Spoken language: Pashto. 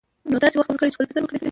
نو تاسې وخت ورکړئ چې خپل فکر وکړي.